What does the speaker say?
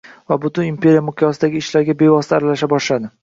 va butun imperiya miqyosidagi ishlarga bevosita aralasha boshladi.